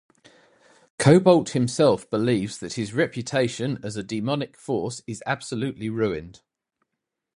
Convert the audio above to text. Kobalt himself believes that his reputation as a demonic force is absolutely ruined.